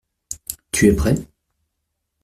Tu es prêt ?